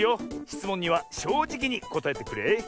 しつもんにはしょうじきにこたえてくれ。